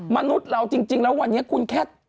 มนุษย์เราจริงแล้ววันนี้คุณแค่